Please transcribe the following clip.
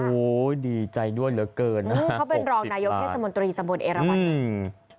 โอ้โหดีใจด้วยเหลือเกินนะฮะเขาเป็นรองนายโพธิสมุนตรีตะบุญเอราวัน